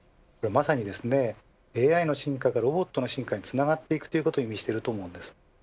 まさにＡＩの進化がロボットの進化につながっていくということを意味しています。